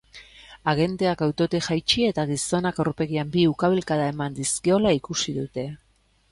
Agenteak autotik jaitsi eta gizonak aurpegian bi ukalbikada eman dizkiola ikusi dute.